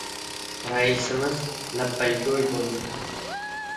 Raisimiz labbaygo‘y bo‘ldi.